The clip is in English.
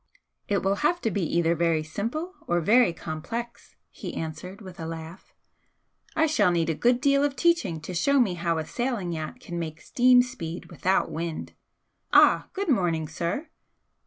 "It will have to be either very simple or very complex!" he answered, with a laugh "I shall need a good deal of teaching to show me how a sailing yacht can make steam speed without wind. Ah, good morning, sir!"